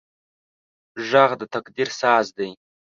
غږ د تقدیر ساز دی